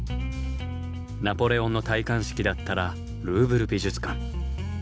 「ナポレオンの戴冠式」だったらルーヴル美術館。